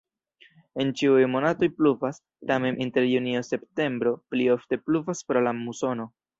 En ĉiuj monatoj pluvas, tamen inter junio-septembro pli ofte pluvas pro la musono.